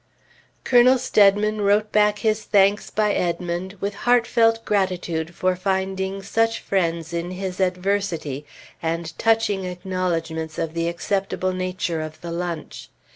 Colonel Steadman wrote back his thanks by Edmond, with heartfelt gratitude for finding such friends in his adversity, and touching acknowledgments of the acceptable nature of the lunch.